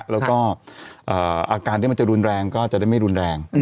แล้วก็อาการที่มันจะรุนแรงก็จะได้ไม่รุนแรง